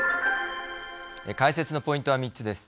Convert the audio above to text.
解説のポイントは３つです。